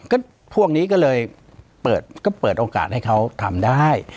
ก็พวกนี้ก็เลยเปิดก็เปิดโอกาสให้เขาทำได้